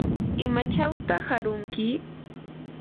¿imachawtaq arunki?